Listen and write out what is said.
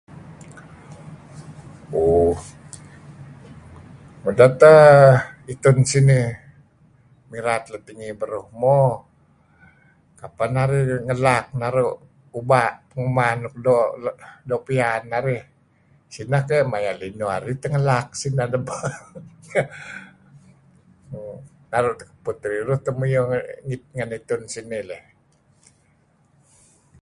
Oh ngudeh tah itun sinih mirat nuk inih beruh man kapeh narih ngelak narih uba' penguman doo' piyan narih. Sineh keh maya' arih tah ngelaak sinah. Naru sinah dik keh. Naru' narih riruh teh muyuh ngen itun sinih leh.